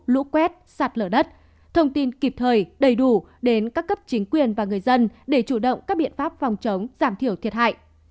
lũ quét sạt lở đất thông tin kịp thời đầy đủ đến các cấp chính quyền và người dân để chủ động các biện pháp phòng chống giảm thiểu thiệt hại